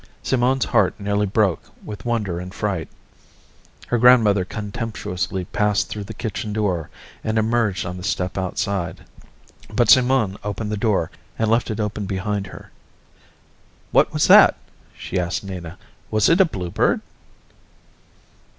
Simone's heart nearly broke with wonder and fright. Her grandmother contemptuously passed through the kitchen door and emerged on the step outside, but Simone opened the door and left it open behind her. "What was that?" she asked Nina. "Was it a bluebird?"